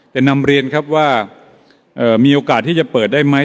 นำเรียนครับว่ามีโอกาสที่จะเปิดได้ไหม